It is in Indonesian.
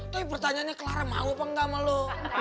tapi pertanyaannya clara mau apa enggak sama lu